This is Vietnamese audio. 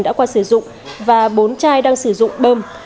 đã qua sử dụng và bốn chai đang sử dụng bơm